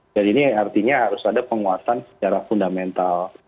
jadi ini artinya harus ada penguasaan secara fundamental